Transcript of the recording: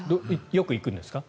よく行くんですか？